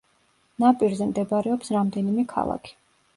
ნაპირზე მდებარეობს რამდენიმე ქალაქი.